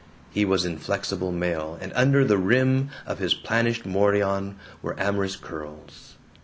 He was in flexible mail, and under the rim of his planished morion were amorous curls.